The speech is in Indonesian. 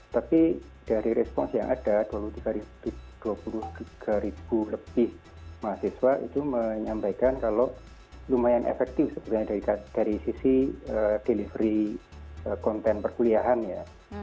tapi dari respons yang ada dua puluh tiga ribu lebih mahasiswa itu menyampaikan kalau lumayan efektif sebenarnya dari sisi delivery konten perkuliahan ya